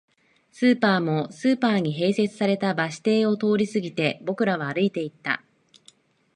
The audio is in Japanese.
スーパーも、スーパーに併設されたバス停も通り過ぎて、僕らは歩いていった